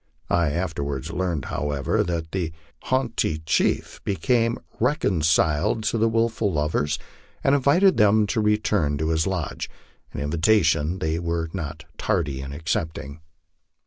I afterwards learned, however, that the haugh ty chief became reconciled to the wilful lovers, "and invited them to return to his lodge, an invitation they were not tardy in accepting.